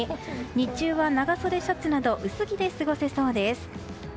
日中は長袖シャツなど薄着で過ごせそうです。